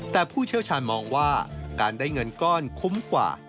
แต่ผู้เชี่ยวชาญมองว่าการได้เงินก้อนคุ้มกว่า